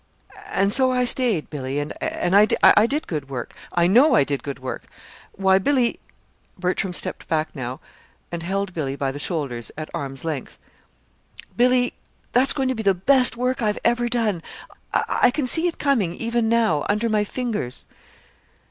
"And so I stayed, Billy, and I did good work; I know I did good work. Why, Billy," Bertram stepped back now, and held Billy by the shoulders at arms' length "Billy, that's going to be the best work I've ever done. I can see it coming even now, under my fingers."